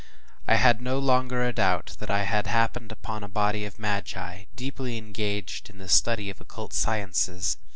I had no longer a doubt that I had happened upon a body of magi, deeply engaged in the study of occult sciences.